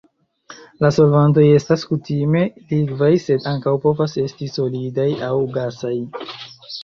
La solvantoj estas kutime likvaj sed ankaŭ povas esti solidaj aŭ gasaj.